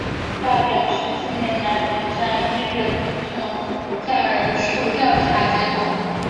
下表是近年来本站一日乘降人数的调查结果。